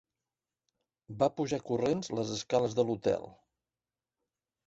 Va pujar corrents les escales de l'hotel.